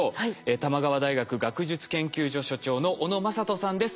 玉川大学学術研究所所長の小野正人さんです。